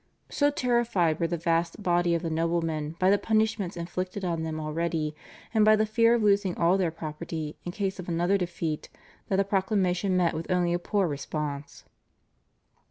So terrified were the vast body of the noblemen by the punishments inflicted on them already and by the fear of losing all their property in case of another defeat that the proclamation met with only a poor response.